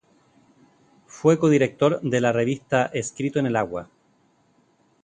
Fue codirector de la revista "Escrito en el agua".